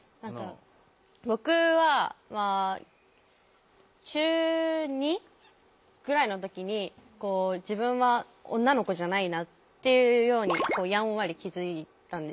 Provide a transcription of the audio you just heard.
僕はまあ中２ぐらいの時に自分は女の子じゃないなっていうようにやんわり気付いたんですよ。